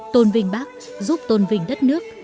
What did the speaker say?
tôn vinh bác giúp tôn vinh đất nước